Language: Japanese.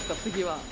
次は。